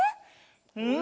うん！